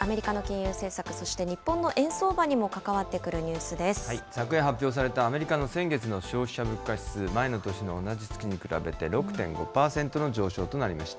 アメリカの金融政策、そして日本の円相場にも関わってくるニュー昨夜発表されたアメリカの先月の消費者物価指数、前の年の同じ月に比べて６．５％の上昇となりました。